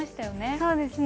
そうですね。